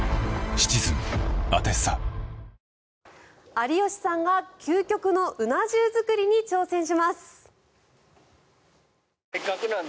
有吉さんが究極のうな重作りに挑戦します。